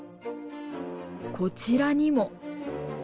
こちらにも。